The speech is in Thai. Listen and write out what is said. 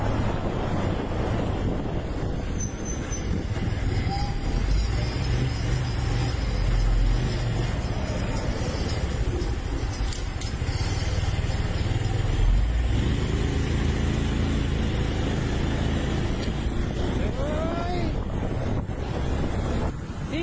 ย่างหน่องแขกมันขับไปนู่นแล้วหลังกับรถจักรยานยนต์ปล่อยไปเลยนะ